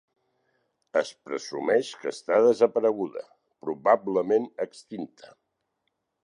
Es presumeix que està desapareguda, probablement extinta.